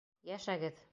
Йәшәгеҙ!